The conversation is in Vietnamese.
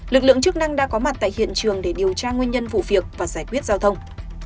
lực lượng chức năng đã có mặt tại hiện trường để điều tra nguyên nhân vụ việc và giải quyết giao thông